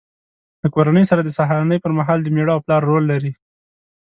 له کورنۍ سره د سهارنۍ پر مهال د مېړه او پلار رول لري.